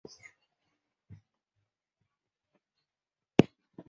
建立一套严谨的防灾体系